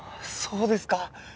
そうですか！